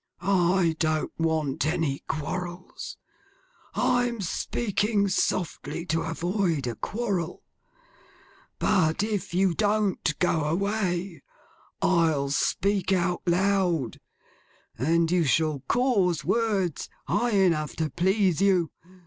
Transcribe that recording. I don't want any quarrels; I'm speaking softly to avoid a quarrel; but if you don't go away, I'll speak out loud, and you shall cause words high enough to please you.